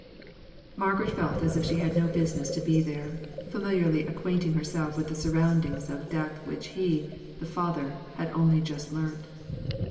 Margaret felt as if she had no business to be there, familiarly acquainting herself with the surroundings of death, which he, the father, had only just learnt.